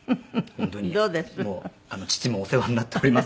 本当にもう父もお世話になっております